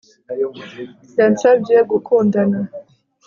Yansabye gukundana